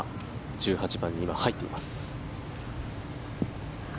１８番に今、入っています。